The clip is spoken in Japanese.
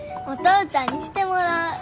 お父ちゃんにしてもらう。